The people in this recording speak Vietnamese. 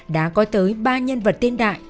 đã có tới ba nhân vật tên đại